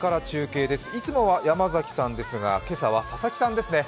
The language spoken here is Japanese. いつもは山崎さんですが今朝は佐々木さんですね。